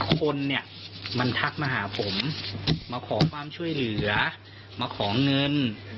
คนเนี่ยมันทักมาหาผมมาขอความช่วยเหลือมาขอเงิน